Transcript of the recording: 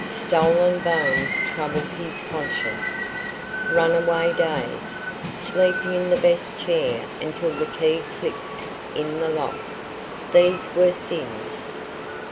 Stolen bones troubled his conscience, runaway days, sleeping in the best chair until the key clicked in the lock. These were sins.